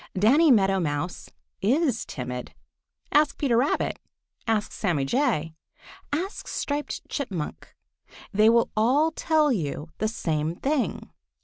Danny Meadow Mouse is timid. Ask Peter Rabbit. Ask Sammy Jay. Ask Striped Chipmunk. They will all tell you the same thing.